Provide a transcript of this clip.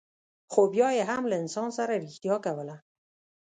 خو بیا یې هم له انسان سره رښتیا کوله.